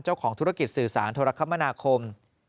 เจ้าของธุรกิจสื่อสารโทรคมนาคม